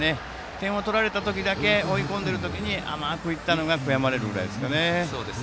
点を取られた時だけ追い込んでいる時に甘く行ったのが悔やまれるぐらいですね。